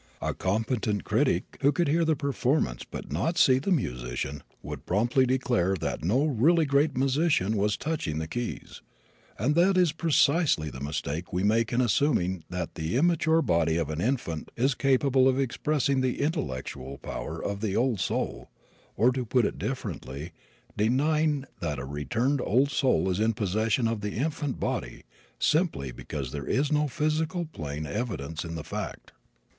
A competent critic who could hear the performance but not see the musician would promptly declare that no really great musician was touching the keys. And that is precisely the mistake we make in assuming that the immature body of an infant is capable of expressing the intellectual power of the old soul, or, to put it differently, denying that a returned, old soul is in possession of the infant body simply because there is no physical plane evidence of the fact.